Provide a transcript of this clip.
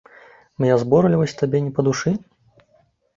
Мая зборлівасць табе не па душы?